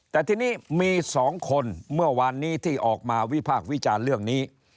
แต่ทีนี้มี๒คนเมื่อวานนี้ที่ออกมาวิพากษ์วิจารณ์เรื่องนี้